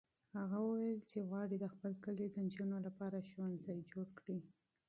هغه وویل چې غواړي د خپل کلي د نجونو لپاره ښوونځی جوړ کړي.